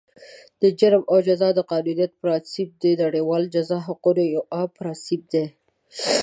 د جرم او جزا د قانونیت پرانسیپ، د نړیوالو جزا حقوقو یو عام پرانسیپ دی.